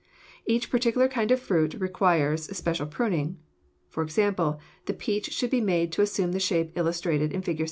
Each particular kind of fruit requires special pruning; for example, the peach should be made to assume the shape illustrated in Fig.